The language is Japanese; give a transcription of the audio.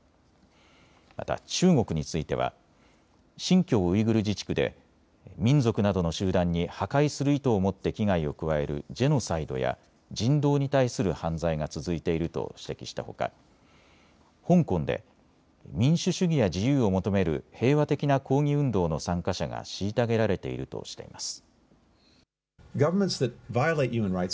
また中国については新疆ウイグル自治区で民族などの集団に破壊する意図を持って危害を加えるジェノサイドや人道に対する犯罪が続いていると指摘したほか香港で民主主義や自由を求める平和的な抗議運動の参加者が虐げられているとしています。